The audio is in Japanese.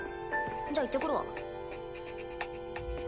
じゃあ行ってくるわ。